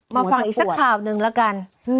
มาฟังอีกสักข่าวหนึ่งแล้วกัน